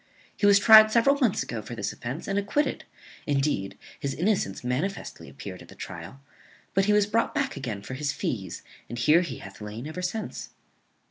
He was tried several months ago for this offence, and acquitted; indeed, his innocence manifestly appeared at the trial; but he was brought back again for his fees, and here he hath lain ever since."